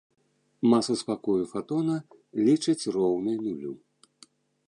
Масу спакою фатона лічаць роўнай нулю.